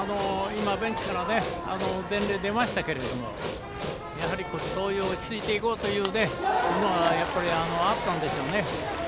今、ベンチから伝令が出ましたけれどやはりそういう落ち着いていこうというのがあったんでしょうね。